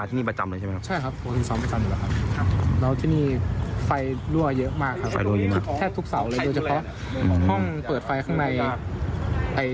แทบทุกเสาร์เลยโดยเฉพาะห้องเปิดไฟข้างใน